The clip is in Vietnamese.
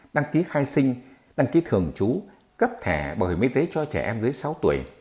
đăng ký khai sinh đăng ký thường trú cấp thẻ bảo hiểm y tế cho trẻ em dưới sáu tuổi